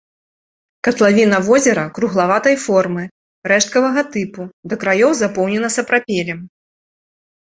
Катлавіна возера круглаватай формы, рэшткавага тыпу, да краёў запоўнена сапрапелем.